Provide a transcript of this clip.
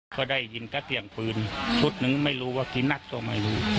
ก็ได้ยินกระเตียงปืนทุกนึงไม่รู้ว่ากี่นักต่อไม่รู้